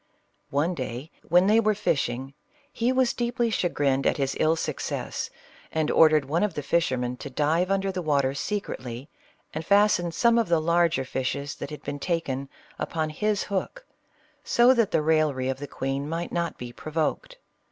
One day when they were fishing, he was deeply chagrined at his ill success, and ordered one of the fishermen to dive under the water secretly, and fasten some of the larger fishes that had been taken upon his hook, so that the raillery of the queen might not be provoked.